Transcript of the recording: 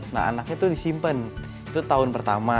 nah anaknya itu disimpan itu tahun pertama